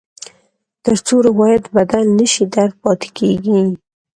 تر څو روایت بدل نه شي، درد پاتې کېږي.